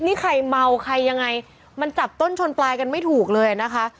นี่ใครเมาใครยังไงมันจับต้นชนปลายกันไม่ถูกเลยนะคะ